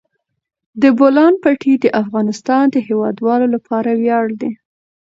د بولان پټي د افغانستان د هیوادوالو لپاره ویاړ دی.